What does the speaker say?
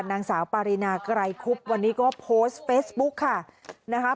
นางสาวปารีนาไกรคุบวันนี้ก็โพสต์เฟซบุ๊กค่ะนะคะ